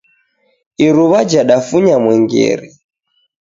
Iruwa jadafunya mwengere